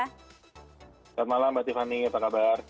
selamat malam mbak tiffany apa kabar